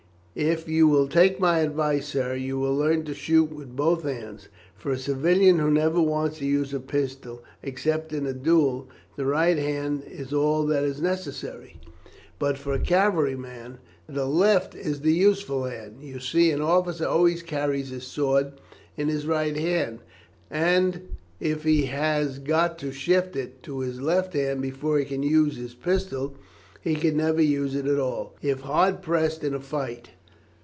"If you will take my advice, sir, you will learn to shoot with both hands. For a civilian who never wants to use a pistol except in a duel, the right hand is all that is necessary, but for a cavalry man, the left is the useful hand. You see an officer always carries his sword in his right hand, and if he has got to shift it to his left before he can use his pistol, he could never use it at all, if hard pressed in a fight.